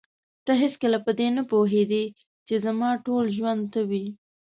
ته هېڅکله په دې نه پوهېدې چې زما ټول ژوند ته وې.